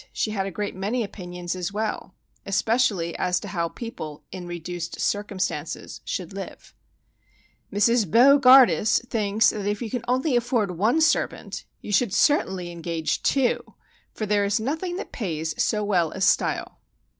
She had a great many opinions as well, especially as to how people "in reduced circumstances" should live. "Mrs. Bo gardus thinks that if you can only afford one servant you should certainly engage two, for there is nothing that pays so well as style."